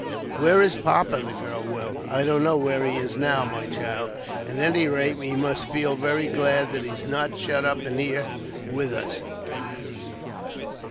"Where is papa?" the girl wailed. "I don't know where he is now, my child. At any rate, we must feel very glad that he's not shut up here, with us.